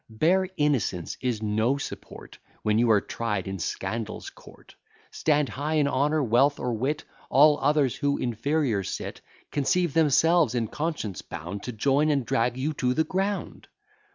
Bare innocence is no support, When you are tried in Scandal's court. Stand high in honour, wealth, or wit; All others, who inferior sit, Conceive themselves in conscience bound To join, and drag you to the ground.